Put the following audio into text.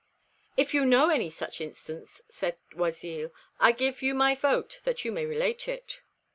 "If you know any such instance," said Oisille, "I give you my vote that you may relate it."